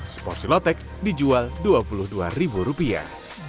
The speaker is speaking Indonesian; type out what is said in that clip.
seporsi lotek dijual dua puluh dua ribu rupiah